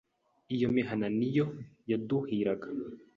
Iyo mihana ni yo yaduhiraga